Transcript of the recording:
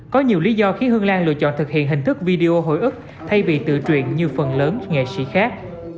có nhiều lý do khiến hương lan lựa chọn thực hiện hình thức video hồi ức thay vì tự truyện như phần lớn nghệ sĩ khác